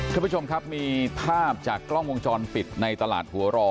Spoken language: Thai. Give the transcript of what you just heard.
ท่านผู้ชมครับมีภาพจากกล้องวงจรปิดในตลาดหัวรอ